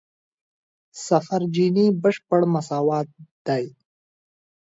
صفر جیني بشپړ مساوات دی.